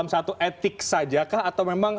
satu etik saja kah atau memang